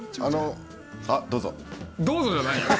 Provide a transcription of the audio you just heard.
どうぞ。